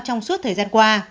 trong suốt thời gian qua